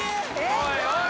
おいおい